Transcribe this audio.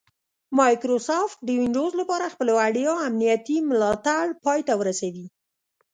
مایکروسافټ د ونډوز لپاره خپل وړیا امنیتي ملاتړ پای ته ورسوي